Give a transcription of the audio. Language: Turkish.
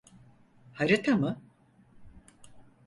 Harita mı?